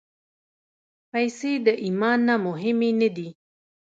پېسې د ایمان نه مهمې نه دي.